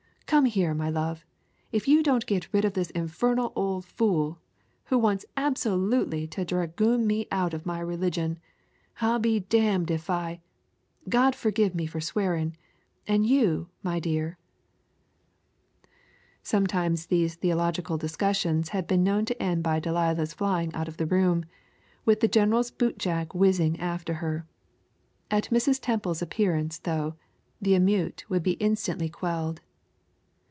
"Come here, my love. If you don't get rid of this infernal old fool, who wants absolutely to dragoon me out of my religion, I'll be damned if I God forgive me for swearing and you, my dear " Sometimes these theological discussions had been known to end by Delilah's flying out of the room, with the general's boot jack whizzing after her. At Mrs. Temple's appearance, though, the emeute would be instantly quelled.